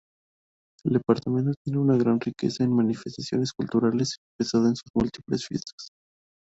El departamento tiene una gran riqueza en manifestaciones culturales expresada en sus múltiples fiestas.